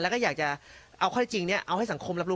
แล้วก็อยากจะเอาข้อได้จริงเอาให้สังคมรับรู้